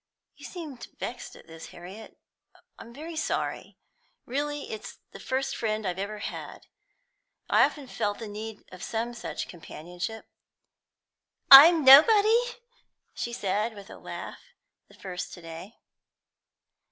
"You seem vexed at this, Harriet. I'm very sorry. Really, it's the first friend I've ever had. I've often felt the need of some such companionship." "I'm nobody?" she said, with a laugh, the first today.